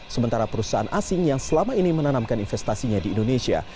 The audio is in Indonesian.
sementara perusahaan asing yang selama ini menanamkan investasinya di indonesia